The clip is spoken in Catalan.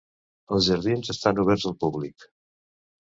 Els jardins estan oberts al públic.